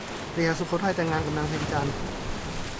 พระยาสุโขทัยแต่งงานกับนางเพ็ญจันทร์